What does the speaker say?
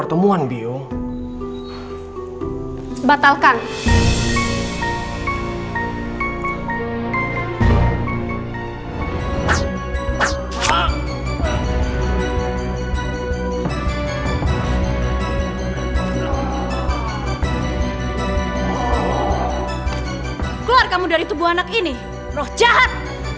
keluar kamu dari tubuh anak ini roh jahat